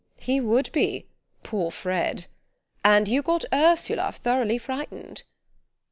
"He would be poor Fred. And you got Ursula thoroughly frightened!"